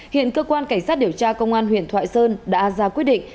hiện cơ quan cảnh sát điều tra công an huyện thoại sơn đã ra quyết định